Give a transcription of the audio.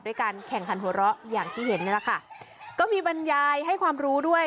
การแข่งขันหัวเราะอย่างที่เห็นนี่แหละค่ะก็มีบรรยายให้ความรู้ด้วย